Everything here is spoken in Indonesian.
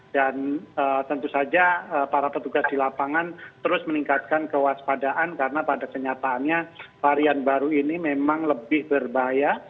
dan tentu saja para petugas di lapangan terus meningkatkan kewaspadaan karena pada kenyataannya varian baru ini memang lebih berbahaya